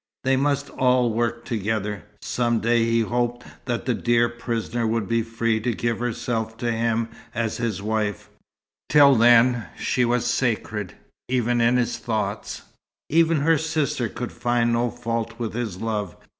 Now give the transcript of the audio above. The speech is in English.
They must all work together. Some day he hoped that the dear prisoner would be free to give herself to him as his wife. Till then, she was sacred, even in his thoughts. Even her sister could find no fault with his love.